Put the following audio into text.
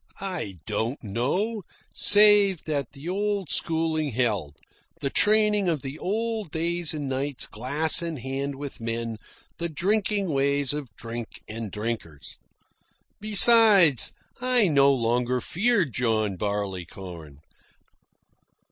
I don't know, save that the old schooling held, the training of the old days and nights glass in hand with men, the drinking ways of drink and drinkers. Besides, I no longer feared John Barleycorn.